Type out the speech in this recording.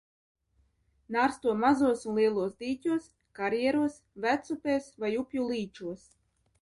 Nārsto mazos un lielos dīķos, karjeros, vecupēs vai upju līčos.